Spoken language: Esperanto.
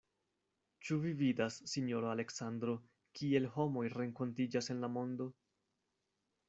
Ĉu vi vidas, sinjoro Aleksandro, kiel homoj renkontiĝas en la mondo!